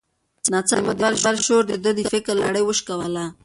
ناڅاپه د موبایل شور د ده د فکر لړۍ وشکوله.